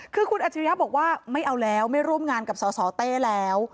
คือคุณอัจฉริยะบอกว่าไม่เอาแล้วไม่ร่วมงานกับสสเต้แล้ว